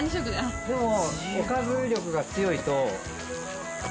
でも。